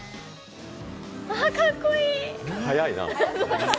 ああ、かっこいい！